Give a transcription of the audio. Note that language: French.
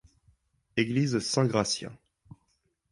Église Saint-Gratien.